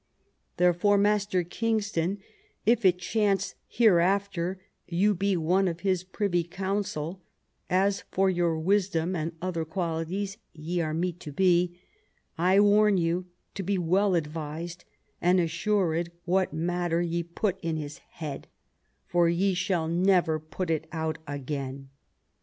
Therefore, Master Kingston, if it chance hereafter you to be one of his Privy Council, as for your wisdom and other qualities ye are meet to be, I warn you to be well advised and assured what matter ye put in his head, for ye shall never put it out again."